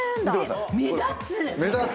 目立つ！